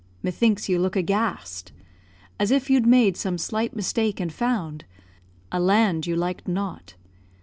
Methinks you look aghast, As if you'd made some slight mistake, and found A land you liked not.